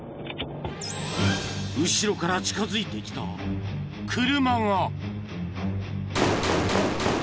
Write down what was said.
［後ろから近づいてきた車が］